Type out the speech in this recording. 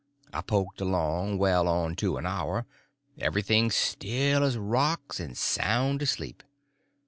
I poked along well on to an hour, everything still as rocks and sound asleep.